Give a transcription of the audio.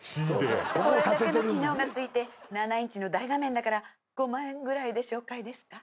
これだけの機能がついて７インチの大画面だから５万円ぐらいで紹介ですか？